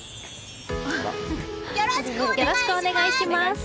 よろしくお願いします！